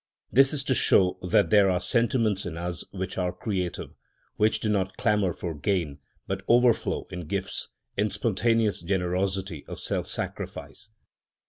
This is to show that there are sentiments in us which are creative, which do not clamour for gain, but overflow in gifts, in spontaneous generosity of self sacrifice.